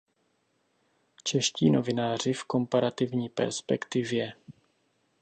Čeští novináři v komparativní perspektivě.